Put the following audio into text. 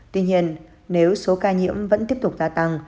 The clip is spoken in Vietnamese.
tuy nhiên nếu số ca nhiễm vẫn tiếp tục gia tăng